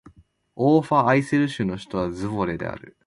オーファーアイセル州の州都はズヴォレである